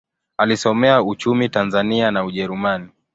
Alisomea uchumi Tanzania na Ujerumani.